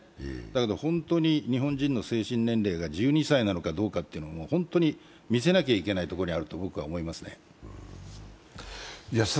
だけど本当に日本人の精神年齢が１２歳なのかどうか、見せなきゃいけないところにあると僕は思いますね。